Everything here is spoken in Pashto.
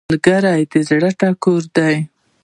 ملګری د زړه ټکور دی